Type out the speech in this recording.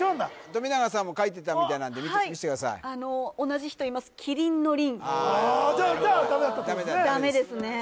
富永さんも書いてたみたいなんで見してください同じ人いますじゃあダメだったってことですね